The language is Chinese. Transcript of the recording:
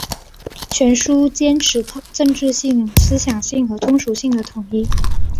全书坚持政治性、思想性和通俗性的统一